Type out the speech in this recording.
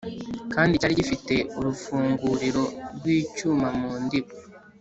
kandi cyari gifite urufunguriro rw'icyuma mu ndiba.